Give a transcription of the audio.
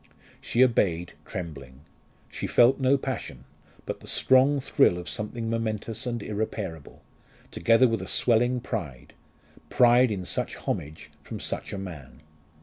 She obeyed trembling. She felt no passion, but the strong thrill of something momentous and irreparable, together with a swelling pride pride in such homage from such a man.